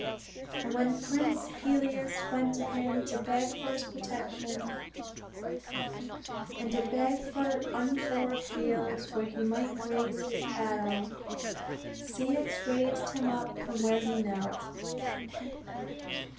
And when Prince Peleus went to him to beg for his protection, and to beg for unfurrowed fields where he might graze his cattle, Ceyx raised him up from where he knelt.